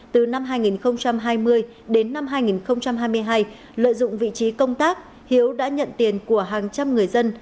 từ năm hai nghìn hai mươi đến năm hai nghìn hai mươi hai lợi dụng vị trí công tác hiếu đã nhận tiền của hàng trăm người dân